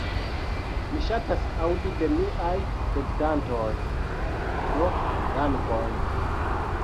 Mi ŝatas aŭdi de miaj spektantoj. Do dankon.